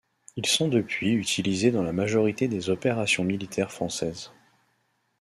Ils sont depuis utilisés dans la majorité des opérations militaires françaises.